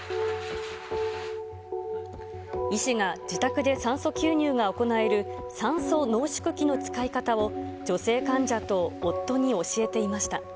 医師が自宅で酸素吸入が行える、酸素濃縮器の使い方を、女性患者と夫に教えていました。